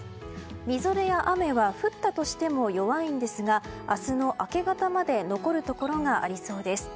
みぞれや雨は降ったとしても弱いんですが明日の明け方まで残るところがありそうです。